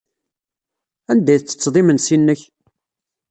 Anda ay tettetteḍ imensi-nnek?